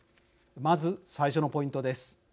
まず、最初のポイントです。